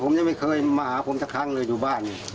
ผมยังไม่เคยมาหาผมสักครั้งเลยอยู่บ้าน